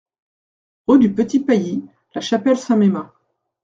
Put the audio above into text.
Rue du Petit Pailly, La Chapelle-Saint-Mesmin